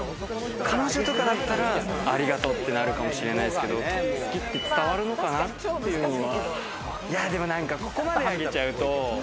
彼女とかだったら、ありがとうってなるかもしれないですけど、好きって伝わるのかなっていうのは。